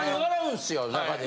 中で。